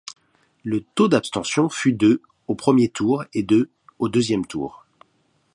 Le taux d'abstention fut de au premier tour, et de au deuxième tour.